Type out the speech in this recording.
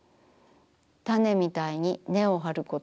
種みたいに根をはること。